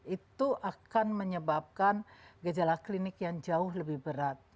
itu akan menyebabkan gejala klinik yang jauh lebih berat